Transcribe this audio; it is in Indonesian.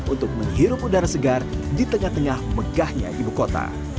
untuk menghirup udara segar di tengah tengah megahnya ibu kota